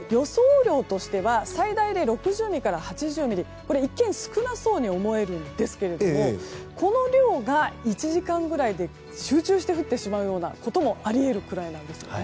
雨量としては最大で６０ミリから８０ミリこれ一見少なそうに思えるんですがこの量が、１時間ぐらいで集中して降ってしまうこともあり得るくらいなんです。